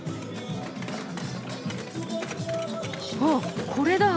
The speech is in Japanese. あっこれだ。